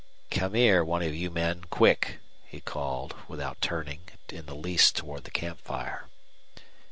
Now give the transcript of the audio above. "Come here, one of you men, quick," he called, without turning in the least toward the camp fire.